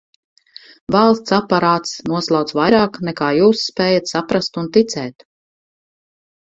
Valsts aparāts noslauc vairāk, nekā jūs spējat saprast un ticēt!